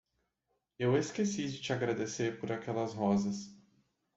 Eu esqueci de te agradecer por aquelas rosas.